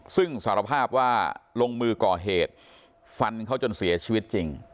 ซึ่งสารภาพว่าลงมือก่อเหตุฟันเขาจนเสียชีวิตจริง